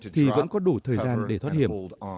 thì vẫn có đủ thời gian để thoát hiểm